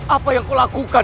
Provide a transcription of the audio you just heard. apa yang kau lakukan